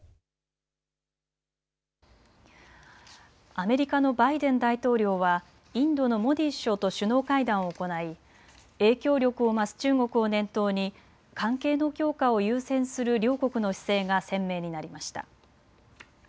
アメリカのバイデン大統領はインドのモディ首相と首脳会談を行い、影響力を増す中国を念頭に関係の強化を優先する両国の姿勢が鮮明になりました。